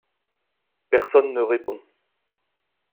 Personne ne répond.